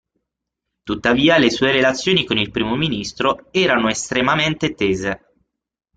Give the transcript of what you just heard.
Tuttavia le sue relazioni con il Primo Ministro erano estremamente tese.